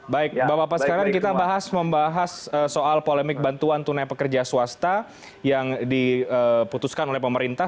baik bapak bapak sekarang kita membahas soal polemik bantuan tunai pekerja swasta yang diputuskan oleh pemerintah